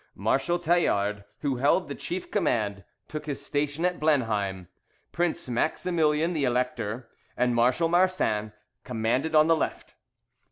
Marshal Tallard, who held the chief command, took his station at Blenheim: Prince Maximilian the Elector, and Marshal Marsin commanded on the left.